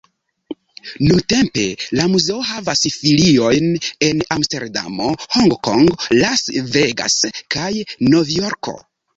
Nuntempe la muzeo havas filiojn en Amsterdamo, Honkongo, Las Vegas kaj Novjorko.